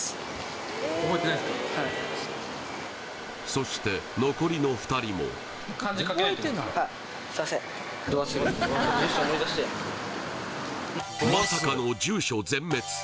そして残りの２人もまさかの住所全滅